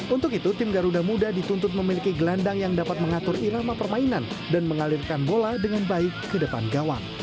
untuk itu tim garuda muda dituntut memiliki gelandang yang dapat mengatur irama permainan dan mengalirkan bola dengan baik ke depan gawang